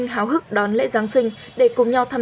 hào hức đón lễ giáng sinh để cùng nhau tập trung